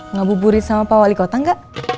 ngabuburit sama pak wali kota nggak